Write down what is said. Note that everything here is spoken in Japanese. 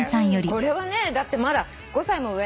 これはねだってまだ５歳も上。